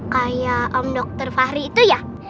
kayak om dr fahri itu ya